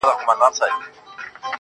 • موږ ته تر سهاره چپه خوله ناست وي.